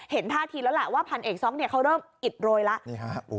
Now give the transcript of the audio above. เห็นท่าทีแล้วแหละว่าพันธุ์เอกซ็อคเขาเริ่มอิดโรยแล้ว